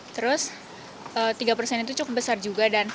terus tiga persen itu cukup besar juga